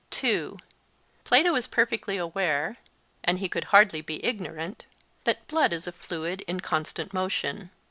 (2) Plato is perfectly aware—and he could hardly be ignorant—that blood is a fluid in constant motion.